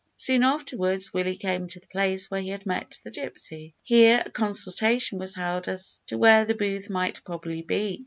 Soon afterwards, Willie came to the place where he had met the gypsy. Here a consultation was held as to where the booth might probably be.